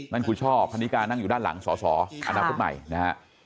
นั่นคุณช่อพันนิกานั่งอยู่ด้านหลังสอสออนาคตใหม่นะฮะ